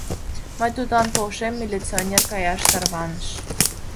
— Мый тудлан полшем, — милиционер каяшат тарваныш.